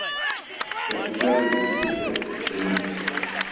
Capital del Distrito de Mito.